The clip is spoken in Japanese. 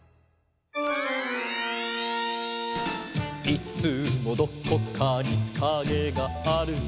「いつもどこかにカゲがある」